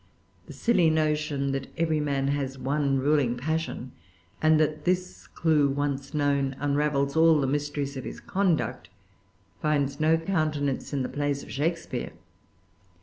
The silly notion that every man has one ruling passion, and that this clue, once known, unravels all the mysteries of his conduct, finds no countenance in the plays of Shakespeare.